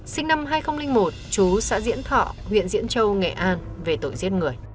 sinh năm hai nghìn một chú xã diễn thọ huyện diễn châu nghệ an về tội giết người